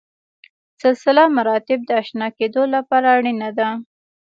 سلسله مراتب د اشنا کېدو لپاره اړینه ده.